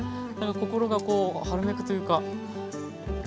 心がこう春めくというか。